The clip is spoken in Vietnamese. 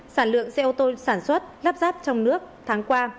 sản lượng xe ô tô sản xuất lắp ráp trong nước tháng qua